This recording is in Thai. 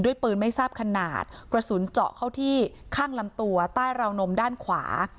ปืนไม่ทราบขนาดกระสุนเจาะเข้าที่ข้างลำตัวใต้ราวนมด้านขวา